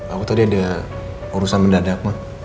aku tadi ada urusan mendadak mah